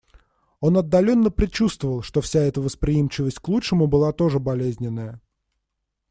Он отдаленно предчувствовал, что вся эта восприимчивость к лучшему была тоже болезненная.